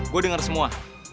gue denger semua